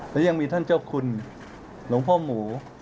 และยังมีท่านเจ้าคุณหลวงพ่อหมู